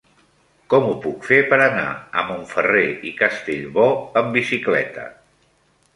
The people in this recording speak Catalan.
Com ho puc fer per anar a Montferrer i Castellbò amb bicicleta?